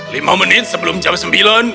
lima menit sebelum jam sembilan